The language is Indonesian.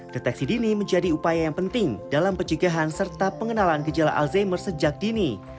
deteksi dini menjadi upaya yang penting dalam pencegahan serta pengenalan gejala alzheimer sejak dini